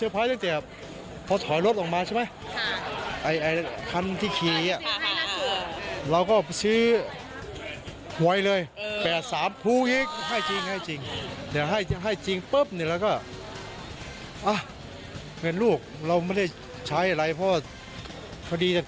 ไปล้มละลายอะไรอย่างนี้